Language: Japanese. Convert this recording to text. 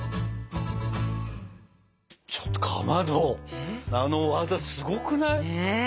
ちょっとかまどあの技すごくない？